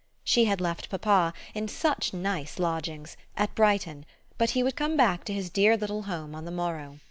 She had left papa in such nice lodgings at Brighton; but he would come back to his dear little home on the morrow.